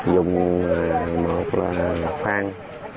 dùng một khoang